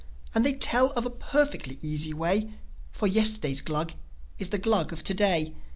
And they tell of a perfectly easy way: For yesterday's Glug is the Glug of to day.